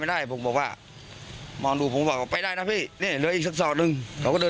อ่าก็บอกว่าไอ้ชนไปเลยชนไปเลย